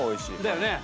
だよね？